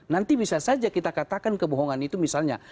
nanti bisa saja kita katakan kebohongan itu misalnya